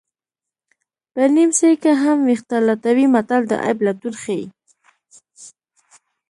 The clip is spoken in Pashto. په نیمڅي کې هم ویښته لټوي متل د عیب لټون ښيي